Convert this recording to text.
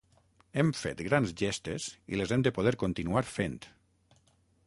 Hem fet grans gestes i les hem de poder continuar fent.